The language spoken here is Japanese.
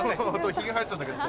ヒゲ生やしたんだけど。